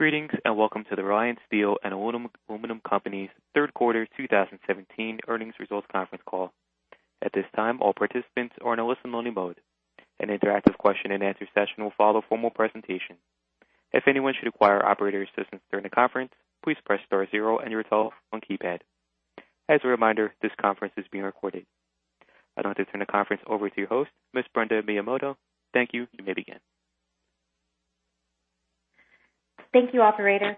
Greetings, and welcome to the Reliance Steel & Aluminum Co.'s third quarter 2017 earnings results conference call. At this time, all participants are in a listen-only mode. An interactive question and answer session will follow formal presentation. If anyone should require operator assistance during the conference, please press star zero and your telephone keypad. As a reminder, this conference is being recorded. I'd like to turn the conference over to your host, Ms. Brenda Miyamoto. Thank you. You may begin. Thank you, operator.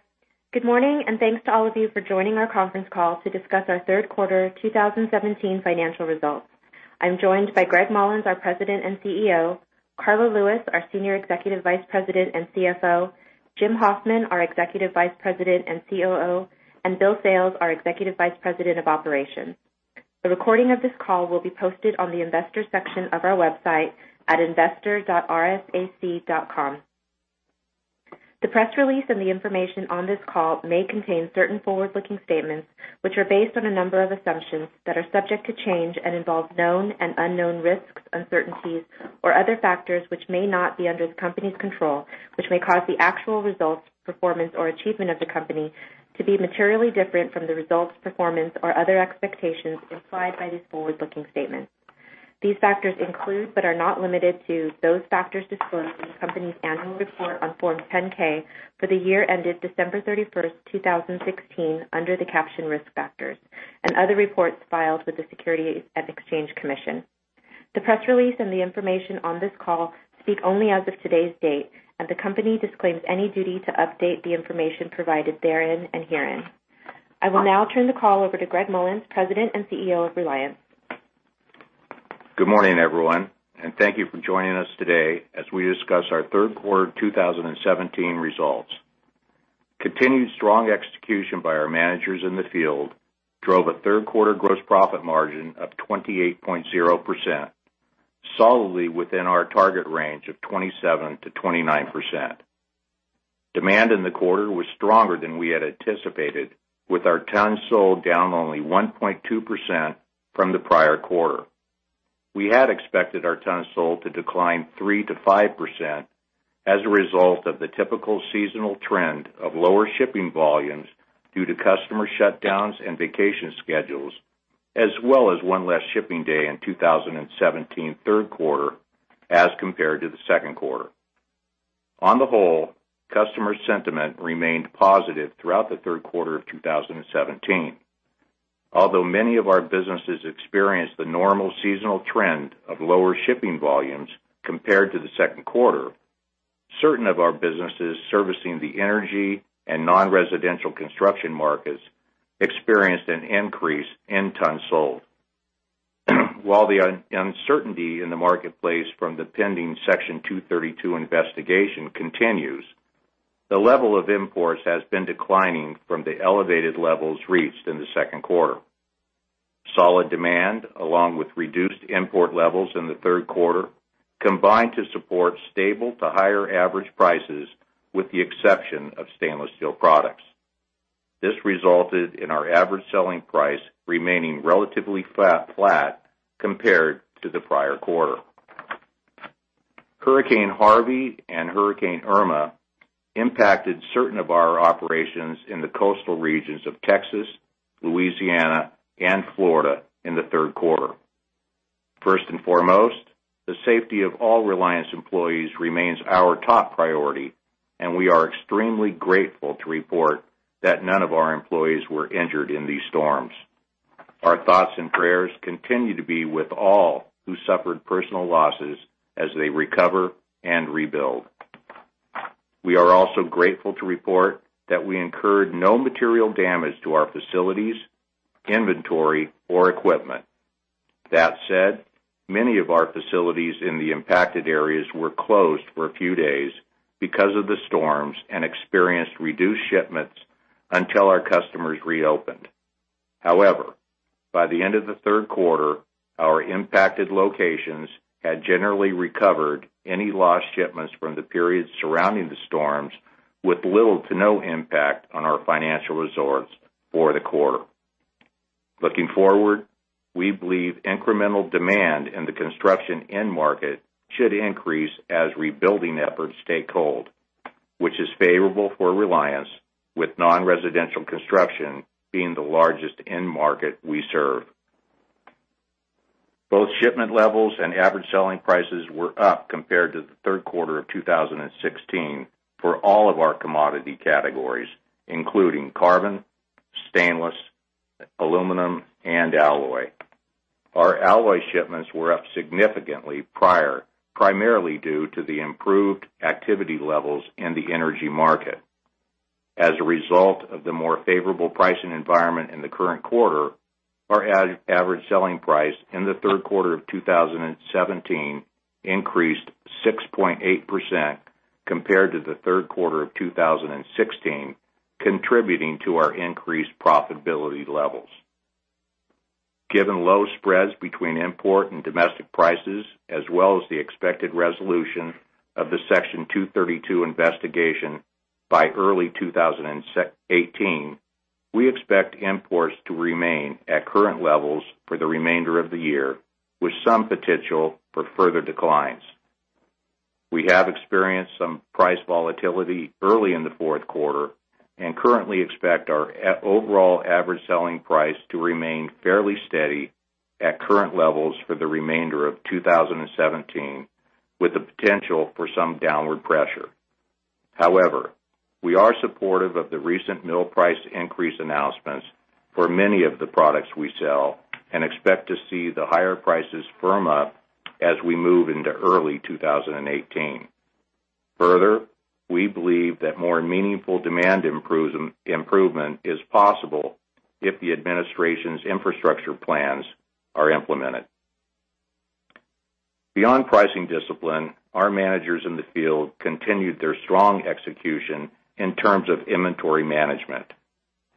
Good morning, and thanks to all of you for joining our conference call to discuss our third quarter 2017 financial results. I'm joined by Gregg Mollins, our President and CEO, Karla Lewis, our Senior Executive Vice President and CFO, Jim Hoffman, our Executive Vice President and COO, and Bill Sales, our Executive Vice President of Operations. A recording of this call will be posted on the investors section of our website at investor.rsac.com. The press release and the information on this call may contain certain forward-looking statements, which are based on a number of assumptions that are subject to change and involve known and unknown risks, uncertainties, or other factors which may not be under the company's control, which may cause the actual results, performance, or achievement of the company to be materially different from the results, performance, or other expectations implied by these forward-looking statements. These factors include, but are not limited to, those factors disclosed in the company's annual report on Form 10-K for the year ended December 31st, 2016, under the caption Risk Factors, and other reports filed with the Securities and Exchange Commission. The press release and the information on this call speak only as of today's date. The company disclaims any duty to update the information provided therein and herein. I will now turn the call over to Gregg Mollins, President and CEO of Reliance. Good morning, everyone, and thank you for joining us today as we discuss our third quarter 2017 results. Continued strong execution by our managers in the field drove a third quarter gross profit margin of 28.0%, solidly within our target range of 27%-29%. Demand in the quarter was stronger than we had anticipated, with our tons sold down only 1.2% from the prior quarter. We had expected our tons sold to decline 3%-5% as a result of the typical seasonal trend of lower shipping volumes due to customer shutdowns and vacation schedules, as well as one less shipping day in 2017 third quarter as compared to the second quarter. On the whole, customer sentiment remained positive throughout the third quarter of 2017. Although many of our businesses experienced the normal seasonal trend of lower shipping volumes compared to the second quarter, certain of our businesses servicing the energy and non-residential construction markets experienced an increase in tons sold. While the uncertainty in the marketplace from the pending Section 232 investigation continues, the level of imports has been declining from the elevated levels reached in the second quarter. Solid demand, along with reduced import levels in the third quarter, combined to support stable to higher average prices, with the exception of stainless steel products. This resulted in our average selling price remaining relatively flat compared to the prior quarter. Hurricane Harvey and Hurricane Irma impacted certain of our operations in the coastal regions of Texas, Louisiana, and Florida in the third quarter. First and foremost, the safety of all Reliance employees remains our top priority, and we are extremely grateful to report that none of our employees were injured in these storms. Our thoughts and prayers continue to be with all who suffered personal losses as they recover and rebuild. We are also grateful to report that we incurred no material damage to our facilities, inventory, or equipment. That said, many of our facilities in the impacted areas were closed for a few days because of the storms and experienced reduced shipments until our customers reopened. However, by the end of the third quarter, our impacted locations had generally recovered any lost shipments from the periods surrounding the storms with little to no impact on our financial results for the quarter. Looking forward, we believe incremental demand in the construction end market should increase as rebuilding efforts take hold, which is favorable for Reliance, with non-residential construction being the largest end market we serve. Both shipment levels and average selling prices were up compared to the third quarter of 2016 for all of our commodity categories, including carbon, stainless, aluminum, and alloy. Our alloy shipments were up significantly, primarily due to the improved activity levels in the energy market. As a result of the more favorable pricing environment in the current quarter, our average selling price in the third quarter of 2017 increased 6.8% compared to the third quarter of 2016, contributing to our increased profitability levels. Given low spreads between import and domestic prices, as well as the expected resolution of the Section 232 investigation by early 2018, we expect imports to remain at current levels for the remainder of the year, with some potential for further declines. We have experienced some price volatility early in the fourth quarter, and currently expect our overall average selling price to remain fairly steady at current levels for the remainder of 2017, with the potential for some downward pressure. However, we are supportive of the recent mill price increase announcements for many of the products we sell and expect to see the higher prices firm up as we move into early 2018. Further, we believe that more meaningful demand improvement is possible if the administration's infrastructure plans are implemented. Beyond pricing discipline, our managers in the field continued their strong execution in terms of inventory management,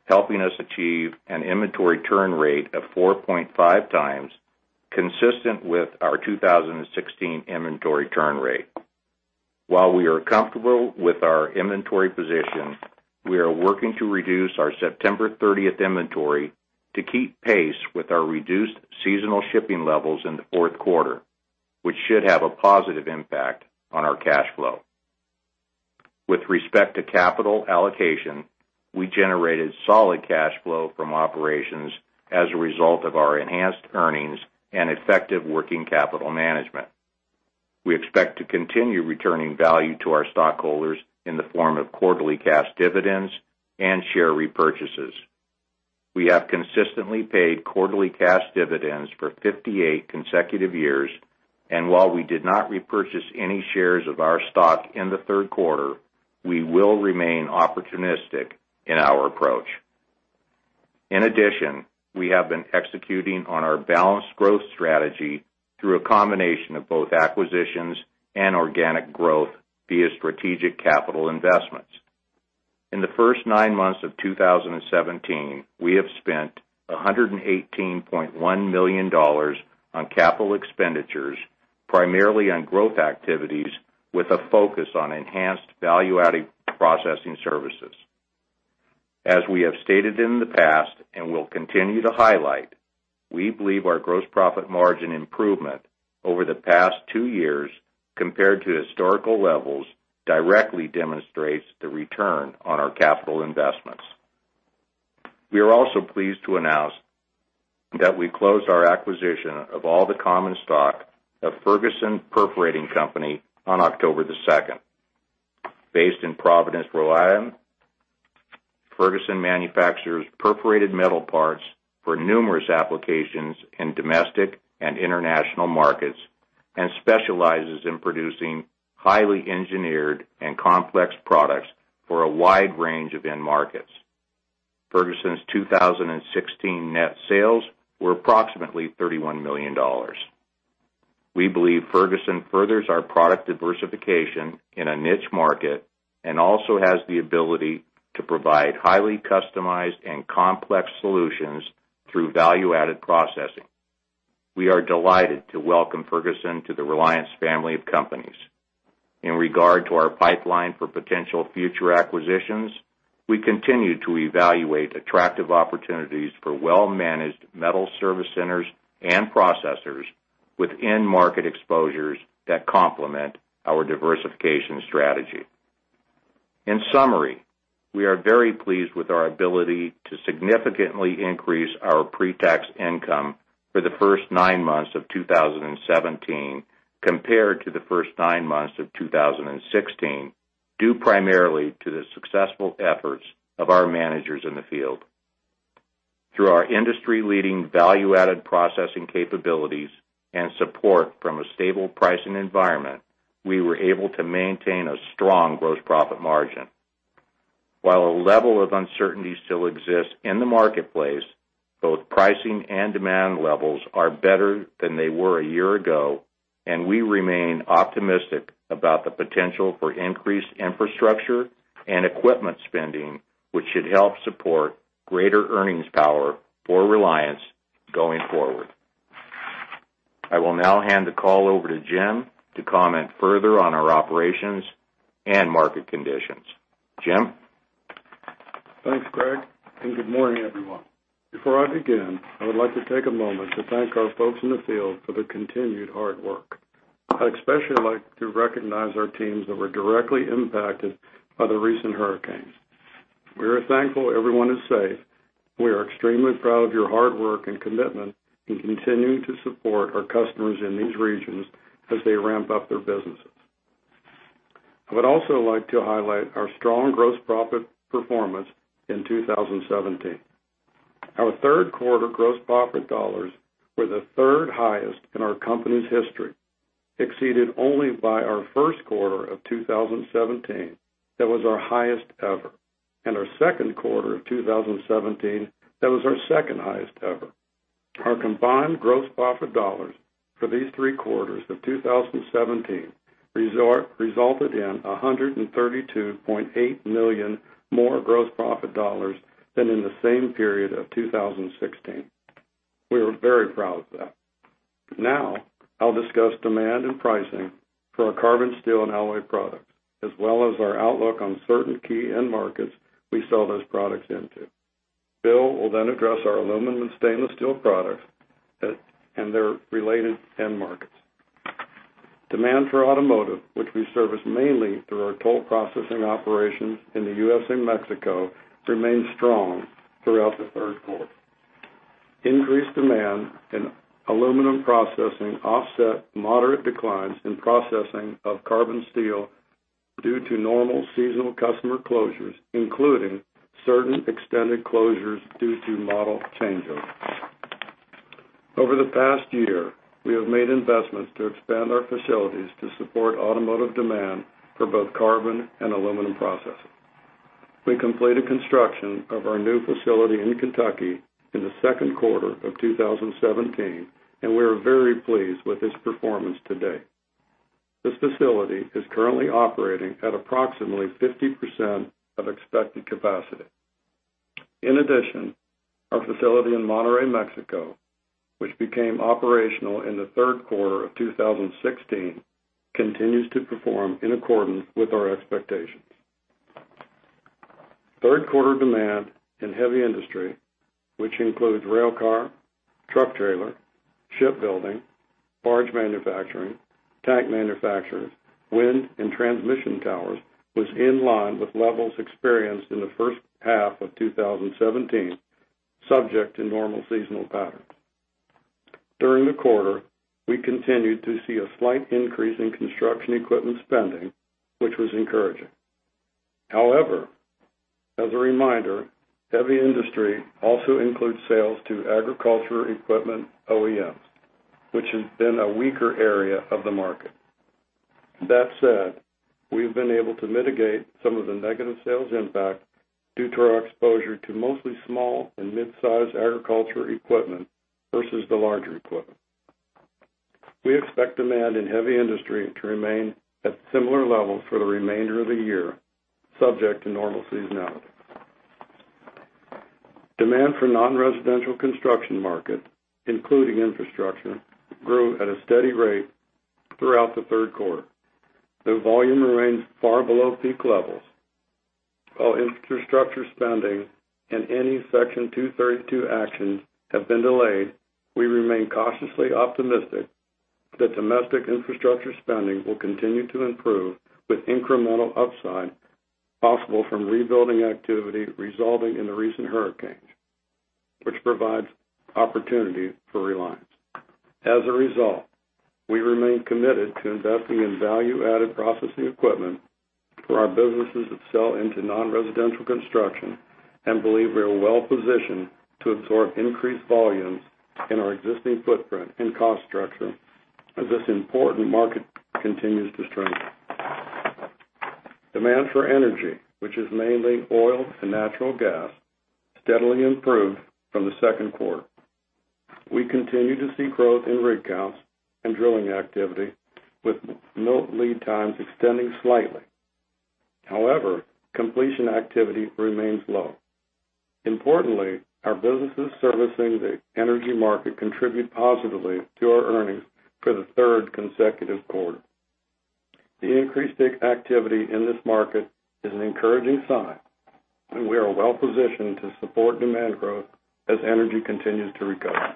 helping us achieve an inventory turn rate of 4.5 times, consistent with our 2016 inventory turn rate. While we are comfortable with our inventory position, we are working to reduce our September 30th inventory to keep pace with our reduced seasonal shipping levels in the fourth quarter, which should have a positive impact on our cash flow. With respect to capital allocation, we generated solid cash flow from operations as a result of our enhanced earnings and effective working capital management. We expect to continue returning value to our stockholders in the form of quarterly cash dividends and share repurchases. We have consistently paid quarterly cash dividends for 58 consecutive years, and while we did not repurchase any shares of our stock in the third quarter, we will remain opportunistic in our approach. In addition, we have been executing on our balanced growth strategy through a combination of both acquisitions and organic growth via strategic capital investments. In the first nine months of 2017, we have spent $118.1 million on capital expenditures, primarily on growth activities with a focus on enhanced value-added processing services. As we have stated in the past and will continue to highlight, we believe our gross profit margin improvement over the past two years compared to historical levels directly demonstrates the return on our capital investments. We are also pleased to announce that we closed our acquisition of all the common stock of Ferguson Perforating Company on October the 2nd. Based in Providence, Rhode Island, Ferguson manufactures perforated metal parts for numerous applications in domestic and international markets and specializes in producing highly engineered and complex products for a wide range of end markets. Ferguson's 2016 net sales were approximately $31 million. We believe Ferguson furthers our product diversification in a niche market and also has the ability to provide highly customized and complex solutions through value-added processing. We are delighted to welcome Ferguson to the Reliance family of companies. In regard to our pipeline for potential future acquisitions, we continue to evaluate attractive opportunities for well-managed metal service centers and processors with end market exposures that complement our diversification strategy. In summary, we are very pleased with our ability to significantly increase our pre-tax income for the first nine months of 2017 compared to the first nine months of 2016, due primarily to the successful efforts of our managers in the field. Through our industry-leading value-added processing capabilities and support from a stable pricing environment, we were able to maintain a strong gross profit margin. While a level of uncertainty still exists in the marketplace, both pricing and demand levels are better than they were a year ago, and we remain optimistic about the potential for increased infrastructure and equipment spending, which should help support greater earnings power for Reliance going forward. I will now hand the call over to Jim to comment further on our operations and market conditions. Jim? Thanks, Gregg, good morning, everyone. Before I begin, I would like to take a moment to thank our folks in the field for their continued hard work. I'd especially like to recognize our teams that were directly impacted by the recent hurricanes. We are thankful everyone is safe. We are extremely proud of your hard work and commitment in continuing to support our customers in these regions as they ramp up their businesses. I would also like to highlight our strong gross profit performance in 2017. Our third quarter gross profit dollars were the third highest in our company's history, exceeded only by our first quarter of 2017, that was our highest ever, and our second quarter of 2017, that was our second highest ever. Our combined gross profit dollars for these three quarters of 2017 resulted in $132.8 million more gross profit dollars than in the same period of 2016. We are very proud of that. I'll discuss demand and pricing for our carbon steel and alloy products, as well as our outlook on certain key end markets we sell those products into. Bill will then address our aluminum and stainless steel products and their related end markets. Demand for automotive, which we service mainly through our toll processing operations in the U.S. and Mexico, remained strong throughout the third quarter. Increased demand in aluminum processing offset moderate declines in processing of carbon steel due to normal seasonal customer closures, including certain extended closures due to model changeovers. Over the past year, we have made investments to expand our facilities to support automotive demand for both carbon and aluminum processing. We completed construction of our new facility in Kentucky in the second quarter of 2017. We are very pleased with its performance to date. This facility is currently operating at approximately 50% of expected capacity. In addition, our facility in Monterrey, Mexico, which became operational in the third quarter of 2016, continues to perform in accordance with our expectations. Third quarter demand in heavy industry, which includes railcar, truck trailer, shipbuilding, barge manufacturing, tank manufacturers, wind and transmission towers, was in line with levels experienced in the first half of 2017, subject to normal seasonal patterns. During the quarter, we continued to see a slight increase in construction equipment spending, which was encouraging. As a reminder, heavy industry also includes sales to agriculture equipment OEMs, which has been a weaker area of the market. That said, we have been able to mitigate some of the negative sales impact due to our exposure to mostly small and mid-size agriculture equipment versus the larger equipment. We expect demand in heavy industry to remain at similar levels for the remainder of the year, subject to normal seasonality. Demand for non-residential construction market, including infrastructure, grew at a steady rate throughout the third quarter, though volume remains far below peak levels. While infrastructure spending and any Section 232 actions have been delayed, we remain cautiously optimistic that domestic infrastructure spending will continue to improve with incremental upside possible from rebuilding activity resulting in the recent hurricanes, which provides opportunity for Reliance. As a result, we remain committed to investing in value-added processing equipment for our businesses that sell into non-residential construction and believe we are well positioned to absorb increased volumes in our existing footprint and cost structure as this important market continues to strengthen. Demand for energy, which is mainly oil and natural gas, steadily improved from the second quarter. We continue to see growth in rig counts and drilling activity with mill lead times extending slightly. Completion activity remains low. Importantly, our businesses servicing the energy market contribute positively to our earnings for the third consecutive quarter. The increased activity in this market is an encouraging sign, and we are well positioned to support demand growth as energy continues to recover.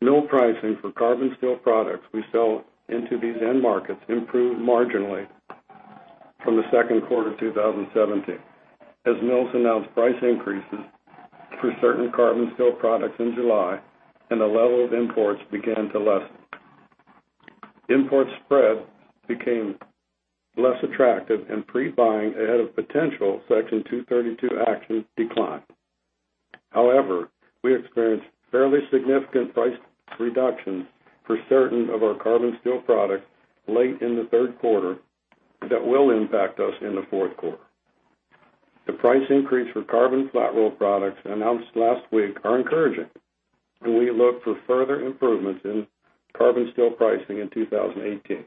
Mill pricing for carbon steel products we sell into these end markets improved marginally from the second quarter 2017, as mills announced price increases for certain carbon steel products in July and the level of imports began to lessen. Import spread became less attractive and pre-buying ahead of potential Section 232 actions declined. We experienced fairly significant price reductions for certain of our carbon steel products late in the third quarter that will impact us in the fourth quarter. The price increase for carbon flat roll products announced last week are encouraging, and we look for further improvements in carbon steel pricing in 2018.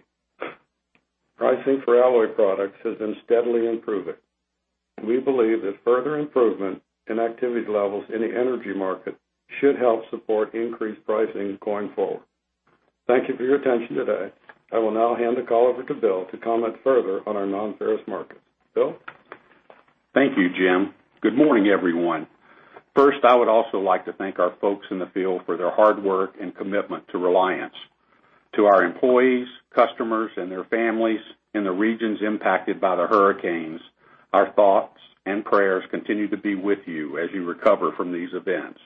Pricing for alloy products has been steadily improving. We believe that further improvement in activity levels in the energy market should help support increased pricing going forward. Thank you for your attention today. I will now hand the call over to Bill to comment further on our nonferrous markets. Bill? Thank you, Jim. Good morning, everyone. First, I would also like to thank our folks in the field for their hard work and commitment to Reliance. To our employees, customers, and their families in the regions impacted by the hurricanes, our thoughts and prayers continue to be with you as you recover from these events.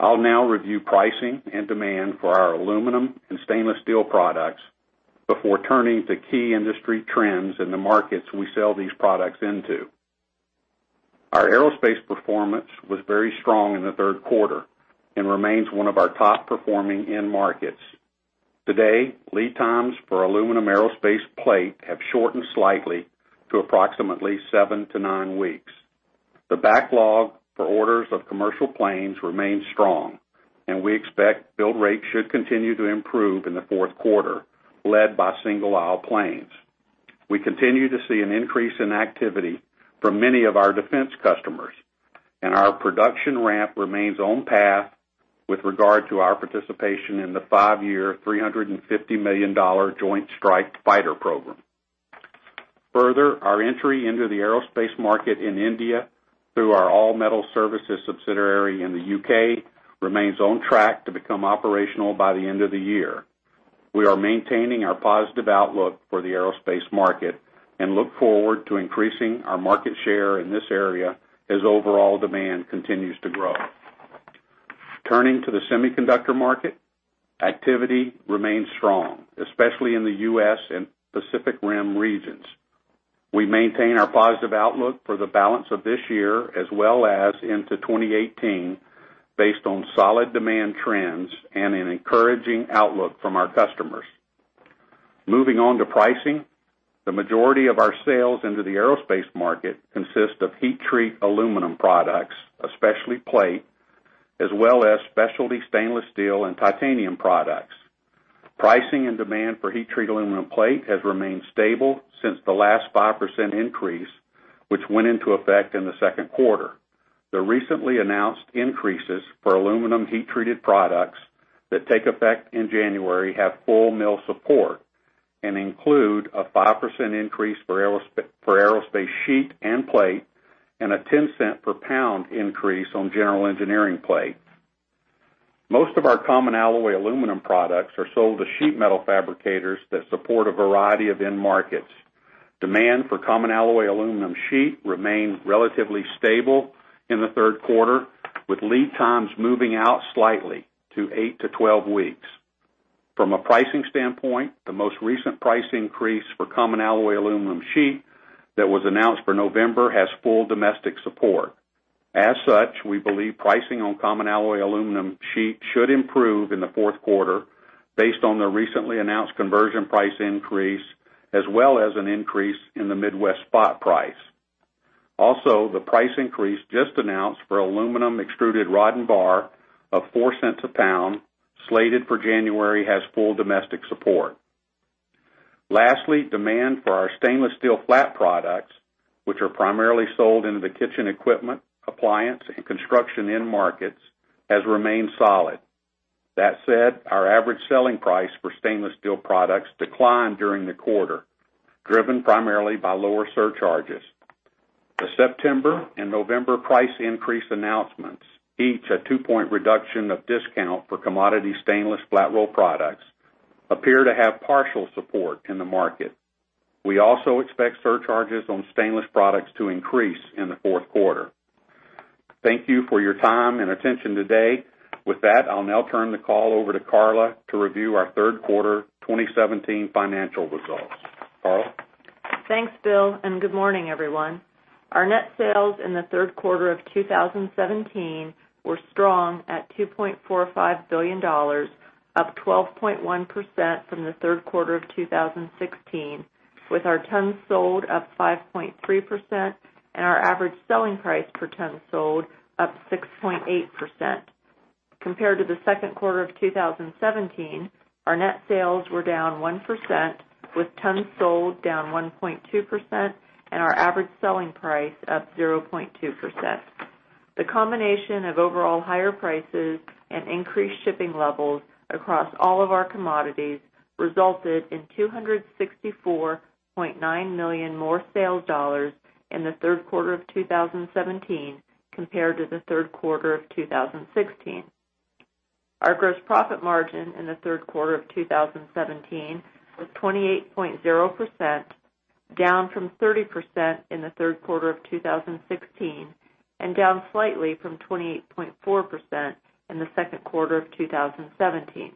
I'll now review pricing and demand for our aluminum and stainless steel products before turning to key industry trends in the markets we sell these products into. Our aerospace performance was very strong in the third quarter and remains one of our top-performing end markets. Today, lead times for aluminum aerospace plate have shortened slightly to approximately 7-9 weeks. The backlog for orders of commercial planes remains strong, and we expect build rates should continue to improve in the fourth quarter, led by single-aisle planes. We continue to see an increase in activity from many of our defense customers, and our production ramp remains on path with regard to our participation in the five-year, $350 million Joint Strike Fighter program. Further, our entry into the aerospace market in India, through our All Metal Services subsidiary in the U.K., remains on track to become operational by the end of the year. We are maintaining our positive outlook for the aerospace market and look forward to increasing our market share in this area as overall demand continues to grow. Turning to the semiconductor market. Activity remains strong, especially in the U.S. and Pacific Rim regions. We maintain our positive outlook for the balance of this year, as well as into 2018, based on solid demand trends and an encouraging outlook from our customers. Moving on to pricing. The majority of our sales into the aerospace market consist of heat treat aluminum products, especially plate, as well as specialty stainless steel and titanium products. Pricing and demand for heat treat aluminum plate has remained stable since the last 5% increase, which went into effect in the second quarter. The recently announced increases for aluminum heat-treated products that take effect in January have full mill support and include a 5% increase for aerospace sheet and plate, and a $0.10 per pound increase on general engineering plate. Most of our common alloy aluminum products are sold to sheet metal fabricators that support a variety of end markets. Demand for common alloy aluminum sheet remained relatively stable in the third quarter, with lead times moving out slightly to eight to 12 weeks. From a pricing standpoint, the most recent price increase for common alloy aluminum sheet that was announced for November, has full domestic support. As such, we believe pricing on common alloy aluminum sheet should improve in the fourth quarter based on the recently announced conversion price increase, as well as an increase in the Midwest spot price. Also, the price increase just announced for aluminum extruded rod and bar of $0.04 a pound slated for January, has full domestic support. Lastly, demand for our stainless steel flat products, which are primarily sold into the kitchen equipment, appliance, and construction end markets, has remained solid. That said, our average selling price for stainless steel products declined during the quarter, driven primarily by lower surcharges. The September and November price increase announcements, each a two-point reduction of discount for commodity stainless flat roll products, appear to have partial support in the market. We also expect surcharges on stainless products to increase in the fourth quarter. Thank you for your time and attention today. With that, I'll now turn the call over to Karla to review our third quarter 2017 financial results. Karla? Thanks, Bill, good morning, everyone. Our net sales in the third quarter of 2017 were strong at $2.45 billion, up 12.1% from the third quarter of 2016, with our tons sold up 5.3% and our average selling price per ton sold up 6.8%. Compared to the second quarter of 2017, our net sales were down 1%, with tons sold down 1.2% and our average selling price up 0.2%. The combination of overall higher prices and increased shipping levels across all of our commodities resulted in $264.9 million more sales dollars in the third quarter of 2017 compared to the third quarter of 2016. Our gross profit margin in the third quarter of 2017 was 28.0%, down from 30% in the third quarter of 2016, and down slightly from 28.4% in the second quarter of 2017.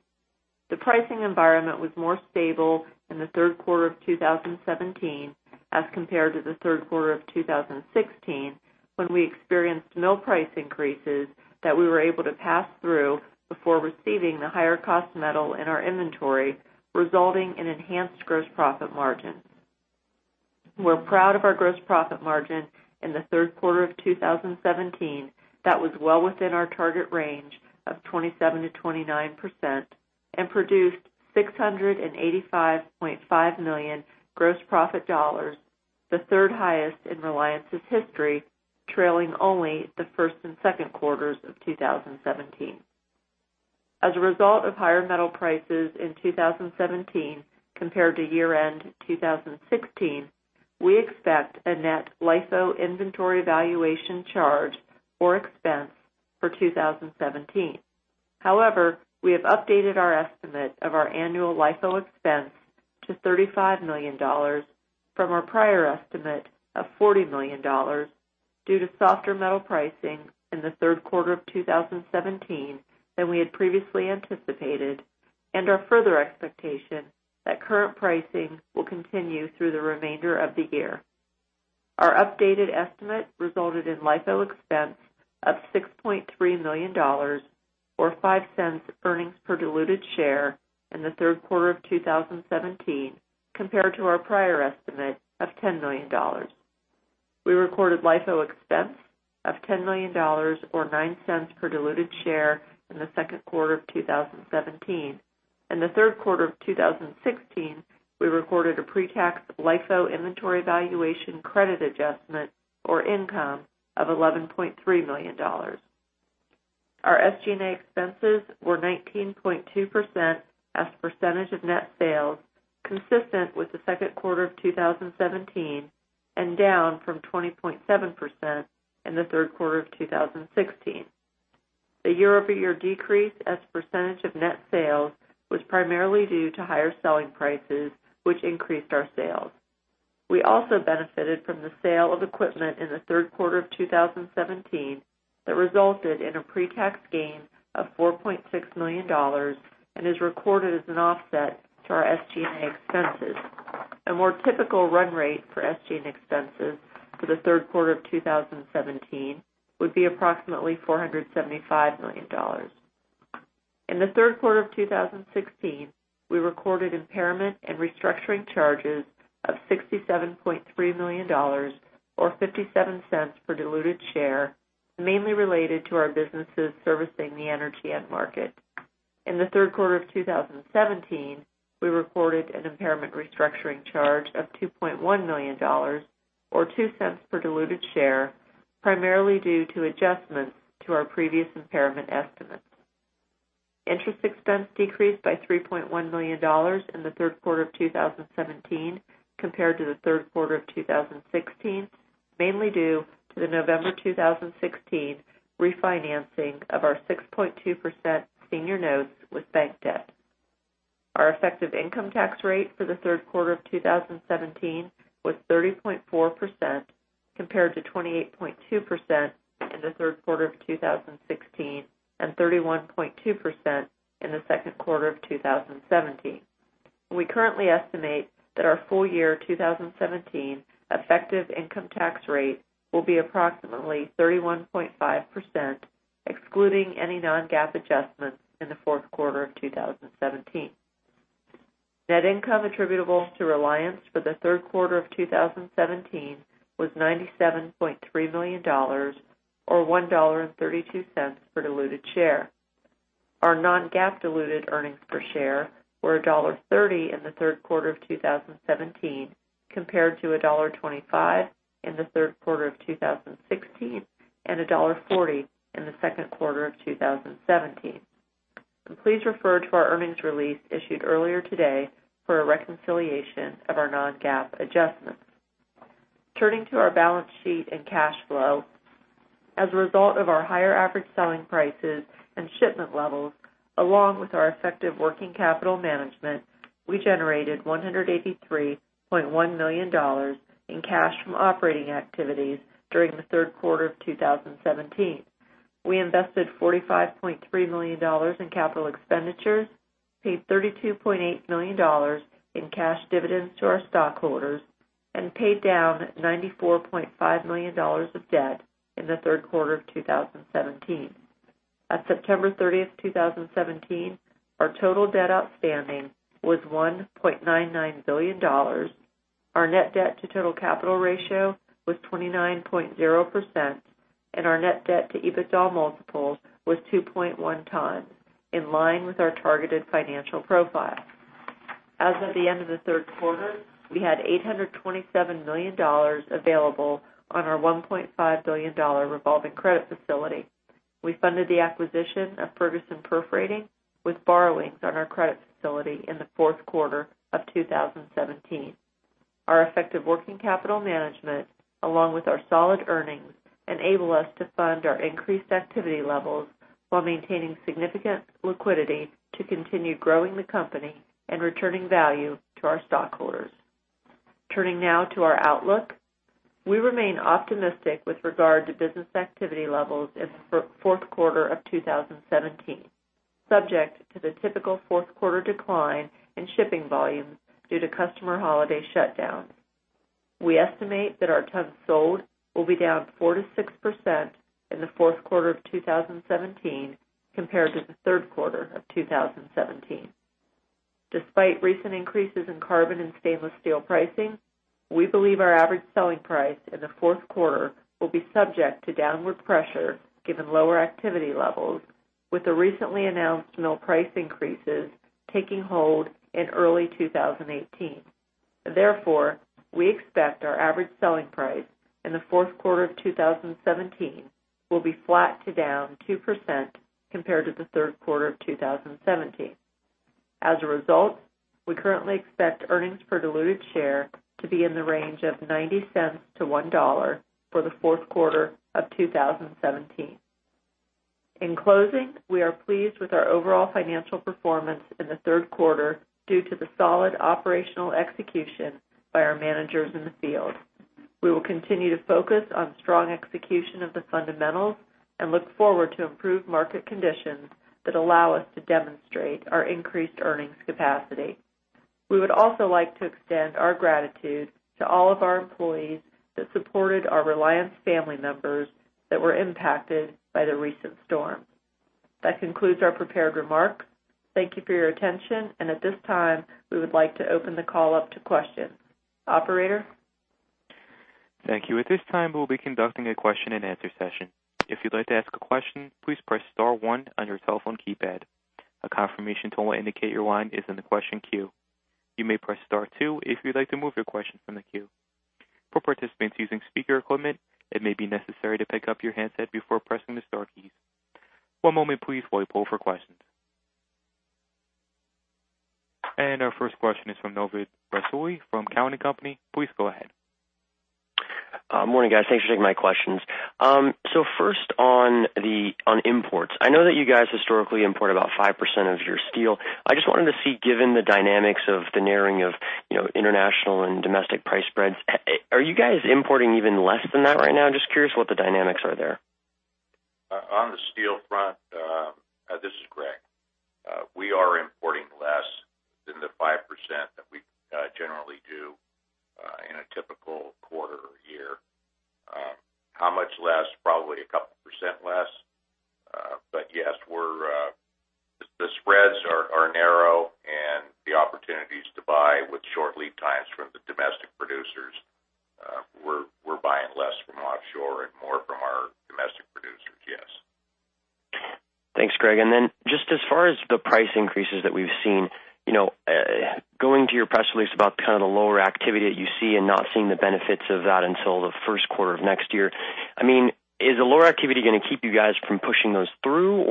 The pricing environment was more stable in the third quarter of 2017 as compared to the third quarter of 2016, when we experienced mill price increases that we were able to pass through before receiving the higher-cost metal in our inventory, resulting in enhanced gross profit margins. We're proud of our gross profit margin in the third quarter of 2017. That was well within our target range of 27%-29% and produced $685.5 million gross profit dollars, the third highest in Reliance's history, trailing only the first and second quarters of 2017. As a result of higher metal prices in 2017 compared to year-end 2016, we expect a net LIFO inventory valuation charge or expense for 2017. We have updated our estimate of our annual LIFO expense to $35 million from our prior estimate of $40 million due to softer metal pricing in the third quarter of 2017 than we had previously anticipated, and our further expectation that current pricing will continue through the remainder of the year. Our updated estimate resulted in LIFO expense of $6.3 million, or $0.05 earnings per diluted share in the third quarter of 2017, compared to our prior estimate of $10 million. We recorded LIFO expense of $10 million or $0.09 per diluted share in the second quarter of 2017. In the third quarter of 2016, we recorded a pre-tax LIFO inventory valuation credit adjustment or income of $11.3 million. Our SG&A expenses were 19.2% as a percentage of net sales, consistent with the second quarter of 2017 and down from 20.7% in the third quarter of 2016. The year-over-year decrease as a percentage of net sales was primarily due to higher selling prices, which increased our sales. We also benefited from the sale of equipment in the third quarter of 2017 that resulted in a pre-tax gain of $4.6 million and is recorded as an offset to our SG&A expenses. A more typical run rate for SG&A expenses for the third quarter of 2017 would be approximately $475 million. In the third quarter of 2016, we recorded impairment and restructuring charges of $67.3 million or $0.57 per diluted share, mainly related to our businesses servicing the energy end market. In the third quarter of 2017, we recorded an impairment restructuring charge of $2.1 million or $0.02 per diluted share, primarily due to adjustments to our previous impairment estimates. Interest expense decreased by $3.1 million in the third quarter of 2017 compared to the third quarter of 2016, mainly due to the November 2016 refinancing of our 6.2% senior notes with bank debt. Our effective income tax rate for the third quarter of 2017 was 30.4%, compared to 28.2% in the third quarter of 2016 and 31.2% in the second quarter of 2017. We currently estimate that our full year 2017 effective income tax rate will be approximately 31.5%, excluding any non-GAAP adjustments in the fourth quarter of 2017. Net income attributable to Reliance for the third quarter of 2017 was $97.3 million or $1.32 per diluted share. Our non-GAAP diluted earnings per share were $1.30 in the third quarter of 2017 compared to $1.25 in the third quarter of 2016 and $1.40 in the second quarter of 2017. Please refer to our earnings release issued earlier today for a reconciliation of our non-GAAP adjustments. Turning to our balance sheet and cash flow. As a result of our higher average selling prices and shipment levels, along with our effective working capital management, we generated $183.1 million in cash from operating activities during the third quarter of 2017. We invested $45.3 million in capital expenditures, paid $32.8 million in cash dividends to our stockholders, and paid down $94.5 million of debt in the third quarter of 2017. At September 30, 2017, our total debt outstanding was $1.99 billion. Our net debt to total capital ratio was 29.0%, and our net debt to EBITDA multiple was 2.1 times, in line with our targeted financial profile. As of the end of the third quarter, we had $827 million available on our $1.5 billion revolving credit facility. We funded the acquisition of Ferguson Perforating with borrowings on our credit facility in the fourth quarter of 2017. Our effective working capital management, along with our solid earnings, enable us to fund our increased activity levels while maintaining significant liquidity to continue growing the company and returning value to our stockholders. Turning now to our outlook. We remain optimistic with regard to business activity levels in the fourth quarter of 2017, subject to the typical fourth quarter decline in shipping volumes due to customer holiday shutdowns. We estimate that our tons sold will be down 4%-6% in the fourth quarter of 2017 compared to the third quarter of 2017. Despite recent increases in carbon and stainless steel pricing, we believe our average selling price in the fourth quarter will be subject to downward pressure given lower activity levels with the recently announced mill price increases taking hold in early 2018. Therefore, we expect our average selling price in the fourth quarter of 2017 will be flat to down 2% compared to the third quarter of 2017. As a result, we currently expect earnings per diluted share to be in the range of $0.90-$1 for the fourth quarter of 2017. In closing, we are pleased with our overall financial performance in the third quarter due to the solid operational execution by our managers in the field. We will continue to focus on strong execution of the fundamentals and look forward to improved market conditions that allow us to demonstrate our increased earnings capacity. We would also like to extend our gratitude to all of our employees that supported our Reliance family members that were impacted by the recent storms. That concludes our prepared remarks. Thank you for your attention. At this time, we would like to open the call up to questions. Operator? Thank you. At this time, we'll be conducting a question and answer session. If you'd like to ask a question, please press star one on your telephone keypad. A confirmation tone will indicate your line is in the question queue. You may press star two if you'd like to move your question from the queue. For participants using speaker equipment, it may be necessary to pick up your handset before pressing the star keys. One moment please while we poll for questions. Our first question is from Novid Rassouli from Cowen and Company. Please go ahead. Morning, guys. Thanks for taking my questions. First on imports. I know that you guys historically import about 5% of your steel. I just wanted to see, given the dynamics of the narrowing of international and domestic price spreads, are you guys importing even less than that right now? I'm just curious what the dynamics are there. On the steel front, this is Gregg. We are importing less than the 5% that we generally do in a typical quarter or year. How much less? Probably a couple of percent less. Yes, the spreads are narrow, the opportunities to buy with short lead times from the domestic producers, we're buying less from offshore and more from our domestic producers. Yes. Thanks, Gregg. Just as far as the price increases that we've seen, going to your press release about kind of the lower activity that you see and not seeing the benefits of that until the first quarter of next year. Is the lower activity going to keep you guys from pushing those through?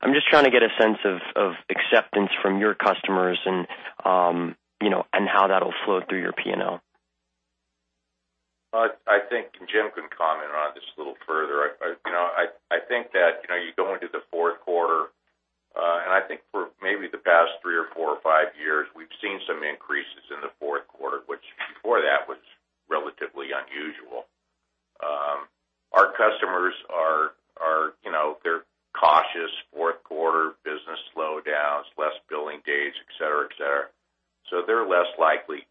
I'm just trying to get a sense of acceptance from your customers and how that'll flow through your P&L. I think Jim can comment on this a little further. I think that you go into the fourth quarter, and I think for maybe the past three or four or five years, we've seen some increases in the fourth quarter, which before that was relatively unusual. Our customers, they're cautious, fourth quarter business slowdowns, less billing days, et cetera. They're less likely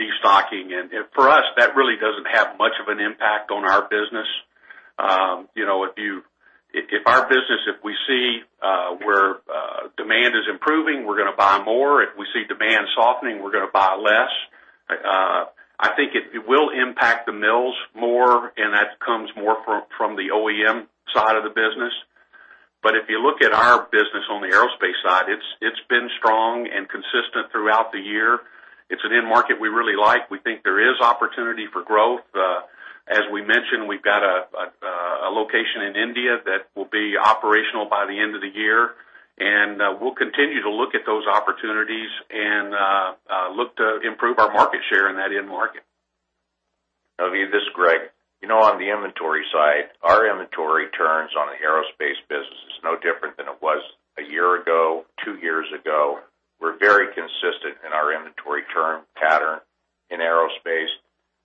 destocking, for us, that really doesn't have much of an impact on our business. If we see where demand is improving, we're going to buy more. If we see demand softening, we're going to buy less. I think it will impact the mills more, that comes more from the OEM side of the business. If you look at our business on the aerospace side, it's been strong and consistent throughout the year. It's an end market we really like. We think there is opportunity for growth. As we mentioned, we've got a location in India that will be operational by the end of the year, and we'll continue to look at those opportunities and look to improve our market share in that end market. Novid, this is Gregg. On the inventory side, our inventory turns on the aerospace business is no different than it was a year ago, two years ago. We're very consistent in our inventory turn pattern in aerospace.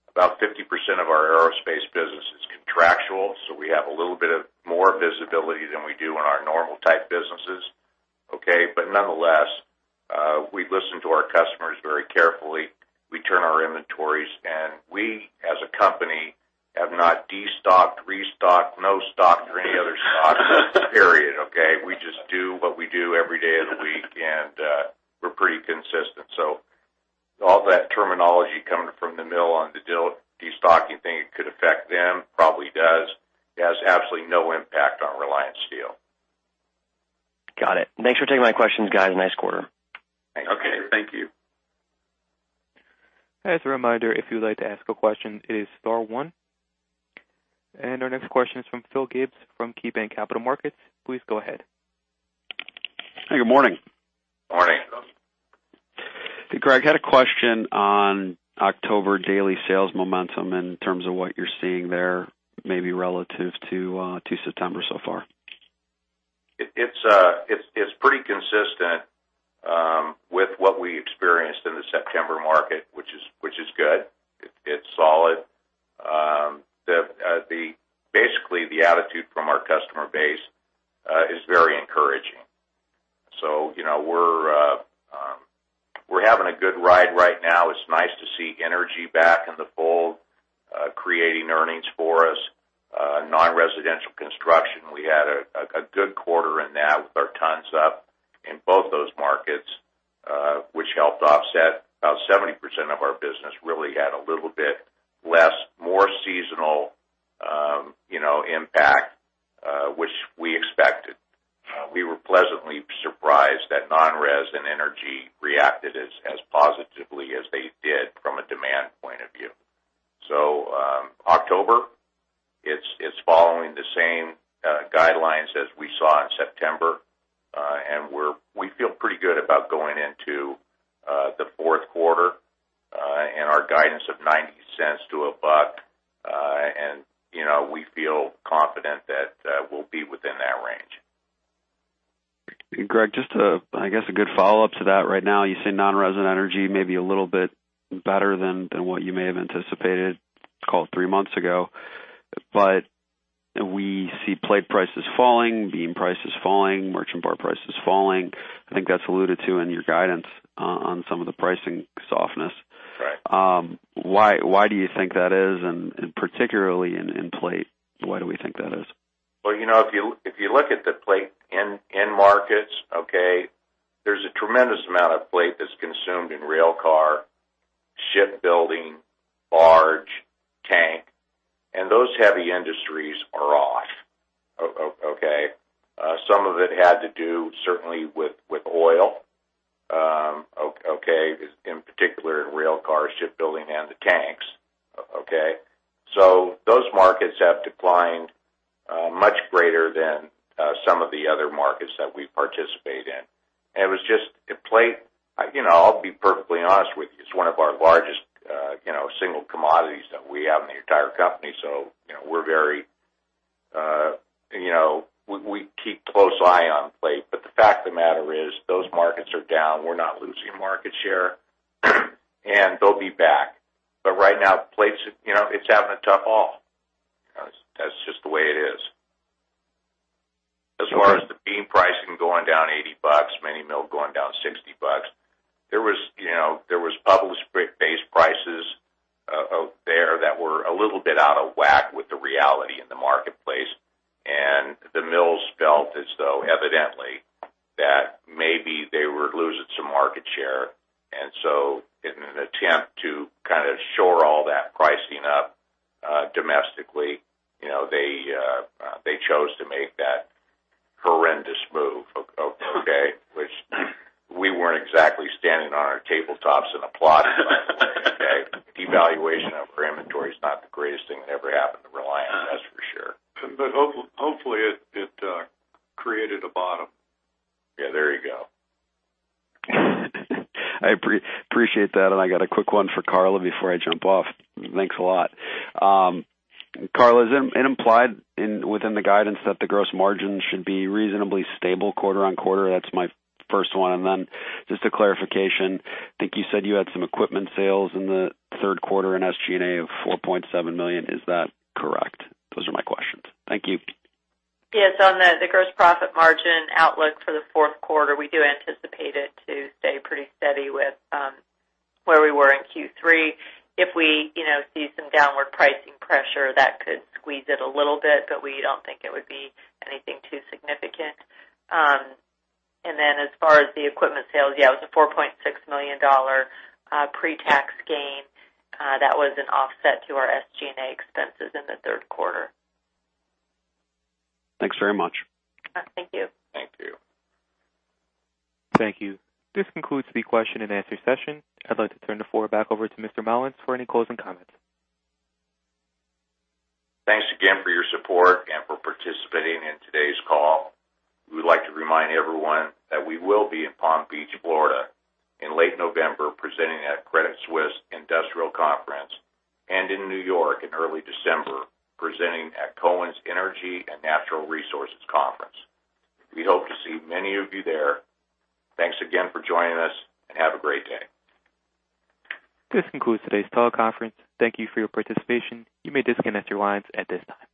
About 50% of our aerospace business is contractual, we have a little bit of more visibility than we do in our normal type businesses. Okay. Nonetheless, we listen to our customers very carefully. We turn our inventories, we, as a company, have not destocked, restocked, no stocked, or any other stocked, period, okay? We just do what we do every day of the week, and we're pretty consistent. All that terminology coming from the mill on the destocking thing, it could affect them, probably does. It has absolutely no impact on Reliance Steel. Got it. Thanks for taking my questions, guys. Nice quarter. Okay. Thank you. As a reminder, if you'd like to ask a question, it is star one. Our next question is from Philip Gibbs from KeyBanc Capital Markets. Please go ahead. Good morning. Morning. Hey, Gregg. I had a question on October daily sales momentum in terms of what you're seeing there, maybe relative to September so far. It's pretty consistent with what we experienced in the September market, which is good. It's solid. Basically, the attitude from our customer base is very encouraging. We're having a good ride right now. It's nice to see energy back in the fold, creating earnings for us. Non-residential construction, we had a good quarter in that with our tons up in both those markets, which helped offset about 70% of our business really had a little bit less, more seasonal impact, which we expected. We were pleasantly surprised that non-res and energy reacted as positively as they did from a demand point of view. October, it's following the same guidelines as we saw in September. We feel pretty good about going into the fourth quarter and our guidance of $0.90 to a buck. We feel confident that we'll be within that range. Gregg, just I guess a good follow-up to that right now, you say non-res and energy may be a little bit better than what you may have anticipated, call it three months ago. We see plate prices falling, beam prices falling, merchant bar prices falling. I think that's alluded to in your guidance on some of the pricing softness. Right. Why do you think that is? Particularly in plate, why do we think that is? Well, if you look at the plate end markets, okay, there's a tremendous amount of plate that's consumed in railcar, shipbuilding, barge, tank, and those heavy industries are off. Some of it had to do certainly with oil. Okay, in particular in railcars, shipbuilding, and the tanks. Those markets have declined much greater than some of the other markets that we participate in. Plate, I'll be perfectly honest with you, it's one of our largest single commodities that we have in the entire company, so we keep a close eye on plate. The fact of the matter is, those markets are down. We're not losing market share, and they'll be back. Right now, plates, it's having a tough haul. That's just the way it is. As far as the beam pricing going down $80, mini mill going down $60, there was published base prices out there that were a little bit out of whack with the reality in the marketplace, and the mills felt as though evidently that maybe they were losing some market share. In an attempt to kind of shore all that pricing up domestically, they chose to make that horrendous move. Okay. Which we weren't exactly standing on our tabletops and applauding. Okay. Devaluation of our inventory is not the greatest thing that ever happened to Reliance, that's for sure. Hopefully it created a bottom. Yeah, there you go. I appreciate that. I got a quick one for Karla before I jump off. Thanks a lot. Karla, is it implied within the guidance that the gross margin should be reasonably stable quarter-on-quarter? That's my first one. Just a clarification, I think you said you had some equipment sales in the third quarter in SG&A of $4.7 million. Is that correct? Those are my questions. Thank you. Yes, on the gross profit margin outlook for the fourth quarter, we do anticipate it to stay pretty steady with where we were in Q3. If we see some downward pricing pressure, that could squeeze it a little bit, but we don't think it would be anything too significant. As far as the equipment sales, yeah, it was a $4.6 million pre-tax gain. That was an offset to our SG&A expenses in the third quarter. Thanks very much. Thank you. Thank you. Thank you. This concludes the question and answer session. I'd like to turn the floor back over to Mr. Mollins for any closing comments. Thanks again for your support and for participating in today's call. We would like to remind everyone that we will be in Palm Beach, Florida in late November presenting at Credit Suisse Industrials Conference, and in New York in early December presenting at Cowen's Energy and Natural Resources Conference. We hope to see many of you there. Thanks again for joining us, and have a great day. This concludes today's call conference. Thank you for your participation. You may disconnect your lines at this time.